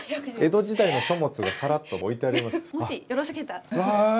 江戸時代の書物がさらっと置いてあります。